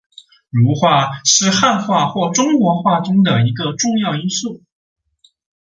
儒化是汉化或中国化之中的一个重要因素。